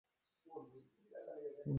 Come on, Will, তুমি পারবে।